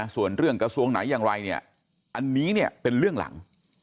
ส่วนเรื่องกระทรวงไหนอย่างไรอันนี้เป็นเรื่องหลัง